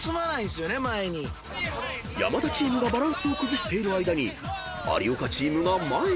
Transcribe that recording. ［山田チームがバランスを崩している間に有岡チームが前に出る］